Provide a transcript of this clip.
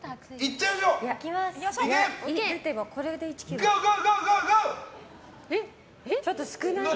ちょっと少ないかな。